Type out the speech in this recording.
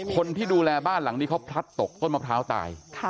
คนที่ดูแลบ้านหลังนี้เขาพลัดตกต้นมะพร้าวตาย